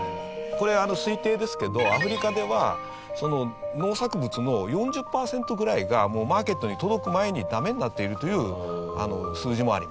これ推定ですけどアフリカでは農作物の４０パーセントぐらいがマーケットに届く前にダメになっているという数字もあります。